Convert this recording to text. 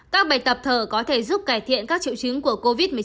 các bài tập thở có thể giúp cải thiện các triệu chứng của covid một mươi chín